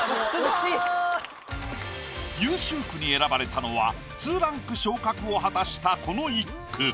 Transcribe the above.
優秀句に選ばれたのは２ランク昇格を果たしたこの一句。